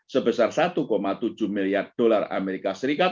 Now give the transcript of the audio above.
sebesar satu tujuh miliar dolar as